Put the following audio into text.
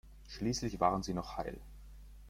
Schließlich waren sie noch heil.